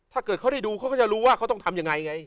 ถ้าเกิดเขาได้ดูเขาก็จะรู้ว่าเขาต้องทำยังไงไง